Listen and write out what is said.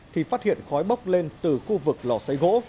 thì phát hiện khói bốc lên từ khu vực lò xấy gỗ